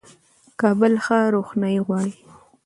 کابل ښه روښنايي غواړي.